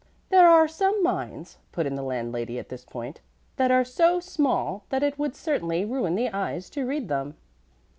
"There are some minds," put in the landlady at this point, "that are so small that it would certainly ruin the eyes to read them."